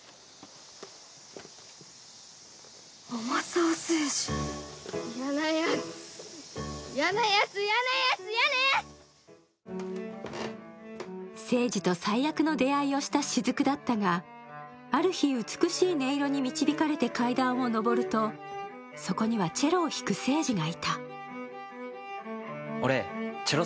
そんなある日聖司と最悪の出会いをした雫だったがある日、美しい音色に導かれて階段を上ると、そこにはチェロを弾く聖司がいた。